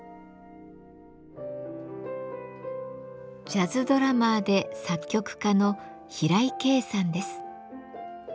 ジャズドラマーで作曲家の平井景さんです。